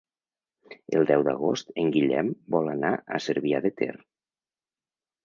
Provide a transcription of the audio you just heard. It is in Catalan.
El deu d'agost en Guillem vol anar a Cervià de Ter.